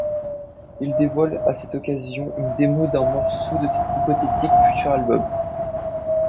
Il dévoile à cette occasion une démo d'un morceau de cet hypothétique futur album.